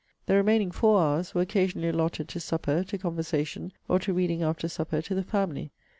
The remaining FOUR hours were occasionally allotted to supper, to conversation, or to reading after supper to the family.